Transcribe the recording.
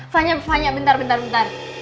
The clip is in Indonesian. fanya fanya bentar bentar bentar